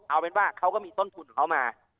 เอาเป็นว่าเขาก็มีต้นทุนของเขามา